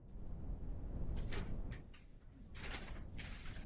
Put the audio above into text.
Nesmíme občany zklamat.